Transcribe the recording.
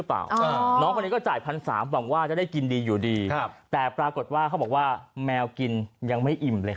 จังนี้ไหมเพราะน้องไก่ทอดหนึ่งชิ้นใช่ไหมเปะ